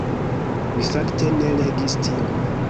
Mi fakte ne legis tion.